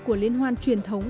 của liên hoan truyền thống